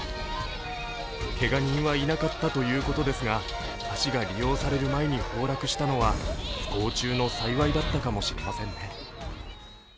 けが人はいなかったということですが、橋が利用される前に崩落したのは不幸中の幸いだったかもしれませんね。